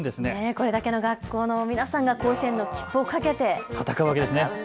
これだけの学校の皆さんが甲子園の切符をかけて戦うんですね。